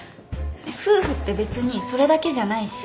夫婦ってべつにそれだけじゃないし。